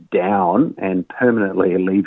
dan kekurangan harga hidup